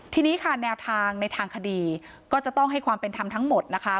ทีนี้ค่ะแนวทางในทางคดีก็จะต้องให้ความเป็นธรรมทั้งหมดนะคะ